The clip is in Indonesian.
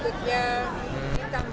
mereka bisa gunakan bulan berikutnya